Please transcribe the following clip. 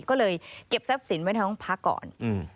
ก็เลยเก็บทรัพย์สินไว้ในห้องพักก่อน